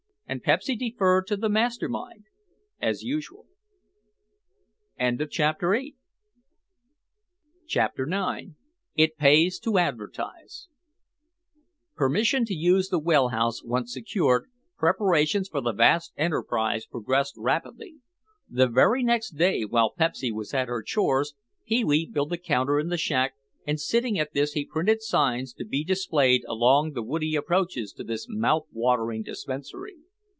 And Pepsy deferred to the master mind, as usual.... CHAPTER IX IT PAYS TO ADVERTISE Permission to use the wellhouse once secured, preparations for the vast enterprise progressed rapidly. The very next day, while Pepsy was at her chores, Pee wee built a counter in the shack and sitting at this he printed signs to be displayed along the woody approaches to this mouth watering dispensary.